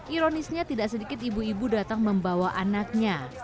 ironisnya tidak sedikit ibu ibu datang membawa anaknya